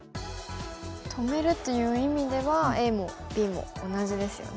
止めるという意味ではＡもＢも同じですよね。